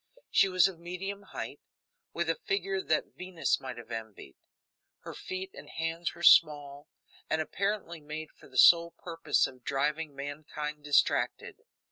She was of medium height, with a figure that Venus might have envied. Her feet and hands were small, and apparently made for the sole purpose of driving mankind distracted.